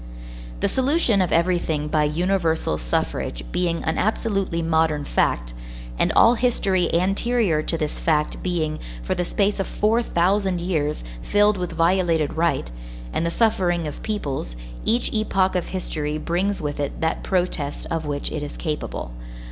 The solution of everything by universal suffrage being an absolutely modern fact, and all history anterior to this fact being, for the space of four thousand years, filled with violated right, and the suffering of peoples, each epoch of history brings with it that protest of which it is capable.